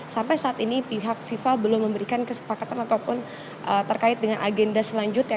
sampai saat ini pihak fifa belum memberikan kesepakatan ataupun terkait dengan agenda selanjutnya